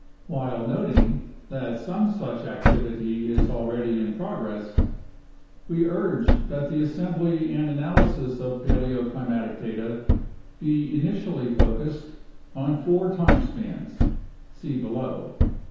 While noting that some such activity is already in progress, we urge that the assembly and analysis of paleoclimatic data be initially focused on four time spans (see below).